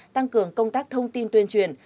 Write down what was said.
tăng cường công tác thông tin tuyên truyền